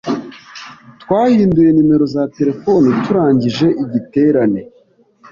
Twahinduye nimero za terefone turangije igiterane.